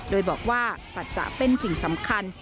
โดยบอกว่าสัจจะเป็นสิ่งสำคัญ